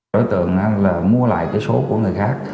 đối tượng là mua lại số của người khác